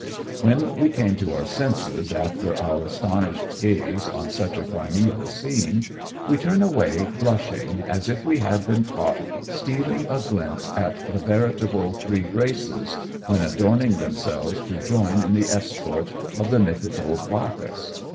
When we come to our senses after our astonished gaze on such a primeval scene, we turn away blushing as if we had been caught stealing a glimpse at the 176 AMONG TYPHOONS AND PIRATE CRAFT. veritable three Graces, when adorning themselves to join in the escort of the mythical Bacchus.